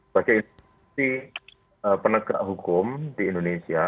bagi institusi penegak hukum di indonesia